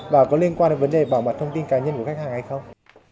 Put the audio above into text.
và có liên quan đến vấn đề bảo mật thông tin cá nhân của khách hàng hay không